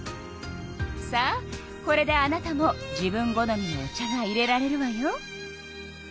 さあこれであなたも自分好みのお茶がいれられるわよ。